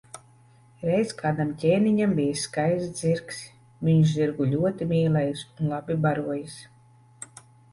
Reiz kādam ķēniņam bijis skaists zirgs, viņš zirgu ļoti mīlējis un labi barojis.